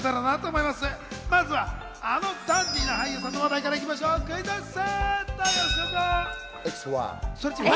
まずは、あのダンディーな俳優さんの話題からクイズッス！